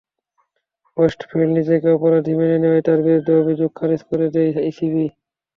Westfield নিজেকে অপরাধী মেনে নেওয়ায় তাঁর বিরুদ্ধে অভিযোগ খারিজ করে দেয় ইসিবি।